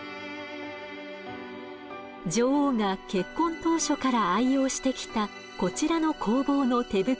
女王が結婚当初から愛用してきたこちらの工房の手袋。